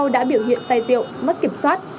điện say rượu mất kiểm soát